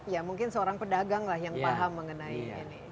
ya mungkin seorang pedagang lah yang paham mengenai ini